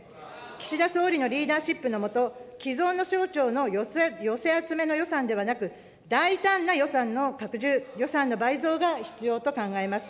岸田総理のリーダーシップのもと、既存の省庁の寄せ集めの予算ではなく、大胆な予算の拡充、予算の倍増が必要と考えます。